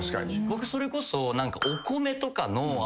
僕それこそ。